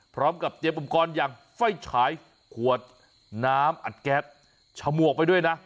พร้อมกับเตรียมอุปกรณ์อย่างไฟฉายขวดน้ำอัดแก๊สฉมวกไปด้วยนะ